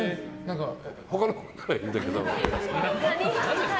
他の子ならいいんだけど。